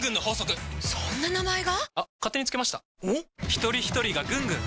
ひとりひとりがぐんぐん！